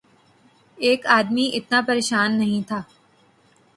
ایک آدمی اتنا پریشان نہیں تھا۔